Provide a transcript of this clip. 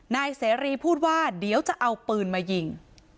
นายเสรีพูดว่าเดี๋ยวจะเอาปืนมายิง